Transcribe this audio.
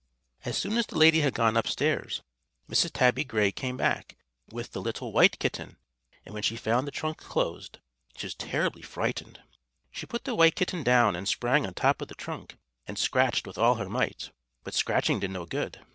As soon as the lady had gone upstairs Mrs. Tabby Gray came back, with the little white kitten; and when she found the trunk closed, she was terribly frightened. She put the white kitten down and sprang on top of the trunk and scratched with all her might, but scratching did no good.